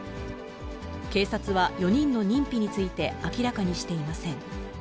警察は４人の認否について明らかにしていません。